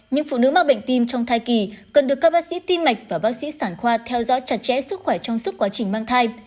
những phụ nữ mắc bệnh tim trong thai kỳ cần được các bác sĩ tim mạch và bác sĩ sản khoa theo dõi chặt chẽ sức khỏe trong suốt quá trình mang thai